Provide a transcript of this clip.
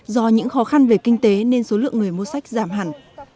do những khó khăn về kinh tế nên số lượng người mua sách giảm hẳn